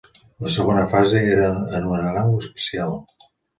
La segona fase era en una nau espacial.